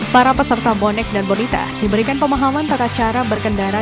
para peserta bonek dan bonita diberikan pemahaman tata cara berkendara